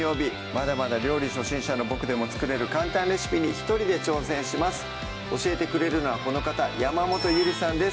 まだまだ料理初心者のボクでも作れる簡単レシピに一人で挑戦します教えてくれるのはこの方山本ゆりさんです